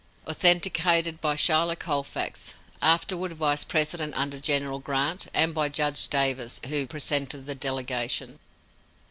(Authenticated by Schuyler Colfax, afterward vice president under General Grant; and by Judge Davis, who presented the delegation.)